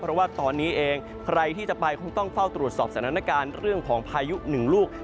เพราะว่าตอนนี้เองใครที่จะไปคงต้องเฝ้าตรวจสอบสถานการณ์เรื่องของพายุหนึ่งลูก